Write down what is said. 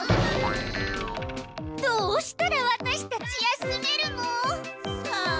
どうしたらワタシたち休めるの？さあ。